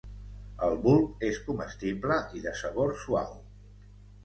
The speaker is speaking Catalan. El bulb és comestible i de sabor suau.